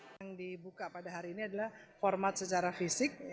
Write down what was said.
yang dibuka pada hari ini adalah format secara fisik